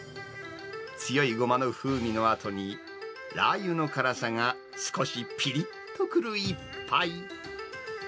強いごまの風味のあとに、ラー油の辛さが少しぴりっとくる一杯。